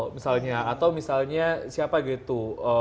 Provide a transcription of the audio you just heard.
misalnya atau misalnya siapa gitu